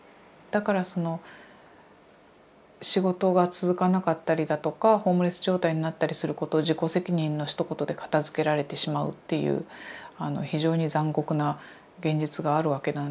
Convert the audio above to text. だからその仕事が続かなかったりだとかホームレス状態になったりすることを自己責任のひと言で片づけられてしまうっていうあの非常に残酷な現実があるわけなんですけれども。